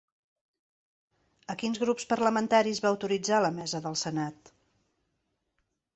A quins grups parlamentaris va autoritzar la mesa del senat?